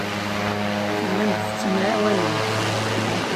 Tellamt tettemɛawanemt.